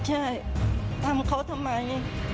ใช่ทำเขาทำไม